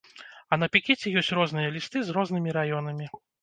А на пікеце ёсць розныя лісты з рознымі раёнамі.